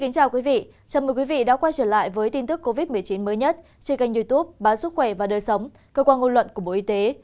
chào mừng quý vị đã quay trở lại với tin tức covid một mươi chín mới nhất trên kênh youtube báo sức khỏe và đời sống cơ quan ngôn luận của bộ y tế